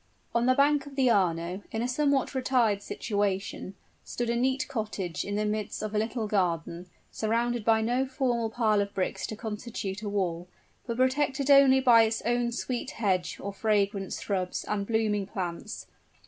On the bank of the Arno, in a somewhat retired situation, stood a neat cottage in the midst of a little garden, surrounded by no formal pile of bricks to constitute a wall, but protected only by its own sweet hedge or fragrant shrubs and blooming plants.